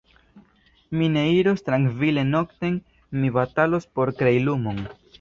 Mi ne iros trankvile nokten, mi batalos por krei lumon.